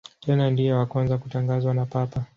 Tena ndiye wa kwanza kutangazwa na Papa.